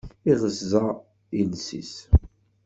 Iɣeẓẓa iles-is.